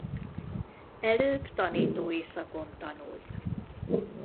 Előbb tanítói szakon tanult.